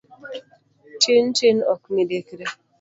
Tin tin ok midekre.